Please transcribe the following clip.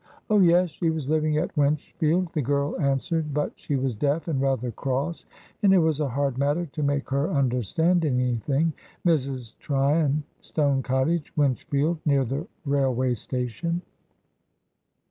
"Oh, yes; she was living at Winchfield," the girl answered. But she was deaf and rather cross, and it was a hard matter to make her understand anything. "Mrs. Tryon, Stone Cottage, Winchfield, near the railway station."